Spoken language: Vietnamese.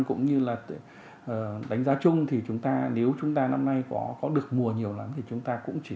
cũng như là đánh giá chung thì chúng ta nếu chúng ta năm nay có được mùa nhiều lắm thì chúng ta cũng chỉ